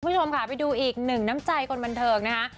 คุณผู้ชมค่ะไปดูอีกหนึ่งน้ำใจคนบันเทิงนะคะ